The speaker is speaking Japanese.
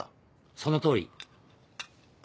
そのとおり。